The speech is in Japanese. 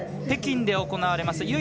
北京で行われます